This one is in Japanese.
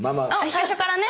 最初からね。